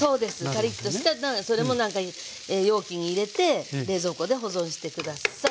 カリっとしたらそれもなんか容器に入れて冷蔵庫で保存して下さい。